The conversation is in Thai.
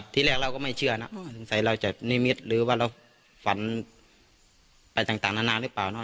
ที่แรกเราก็ไม่เชื่อนะสงสัยเราจะนิมิตหรือว่าเราฝันไปต่างนานาหรือเปล่าเนอ